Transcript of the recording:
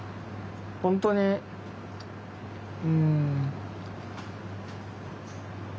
本当にうん。